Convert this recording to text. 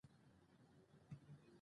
د افغانستان په منظره کې نمک ښکاره ده.